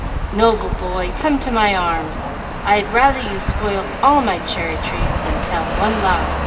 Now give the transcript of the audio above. "Noble boy come to my arms! I had rather you spoilt all my cherry trees than tell one lie!"